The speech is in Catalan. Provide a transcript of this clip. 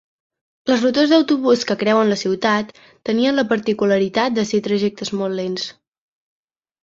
Les rutes d'autobús que creuen la ciutat tenien la particularitat de ser trajectes molt lents.